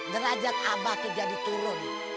derajat abah itu jadi turun